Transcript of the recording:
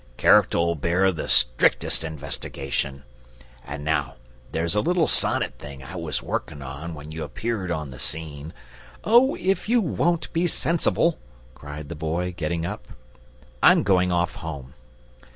"Character'll bear the strictest investigation. And now, there's a little sonnet thing I was working on when you appeared on the scene " "Oh, if you WON'T be sensible," cried the Boy, getting up, "I'm going off home.